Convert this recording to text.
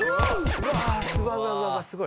うわっすごい。